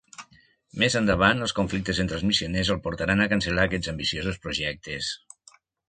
Més endavant els conflictes entre els missioners el portaran a cancel·lar aquests ambiciosos projectes.